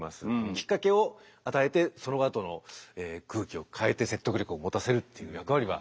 きっかけを与えてそのあとの空気を変えて説得力を持たせるっていう役割が。